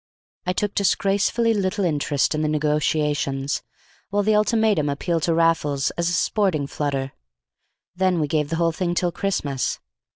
I took disgracefully little interest in the Negotiations, while the Ultimatum appealed to Raffles as a sporting flutter. Then we gave the whole thing till Christmas.